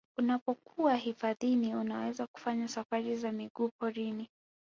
Unapokuwa hifadhini unaweza kufanya safari za miguu porini